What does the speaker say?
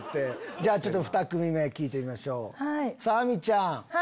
じゃあ２組目聞いてみましょうさぁ亜美ちゃん。